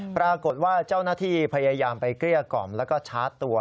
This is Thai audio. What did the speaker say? ปรากฏว่าเจ้าหน้าที่พยายามไปเกลี้ยกล่อมแล้วก็ชาร์จตัว